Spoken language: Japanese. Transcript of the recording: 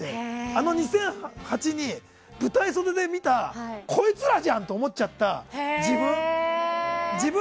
あの２００８に舞台袖で見たこいつらじゃんって思っちゃった自分。